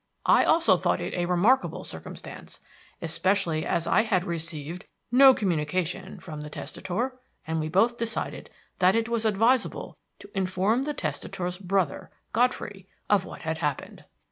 I also thought it a remarkable circumstance, especially as I had received no communication from the testator, and we both decided that it was advisable to inform the testator's brother, Godfrey, of what had happened.